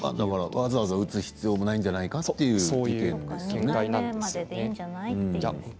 わざわざ打つ必要がないんじゃないかという意見ですよね。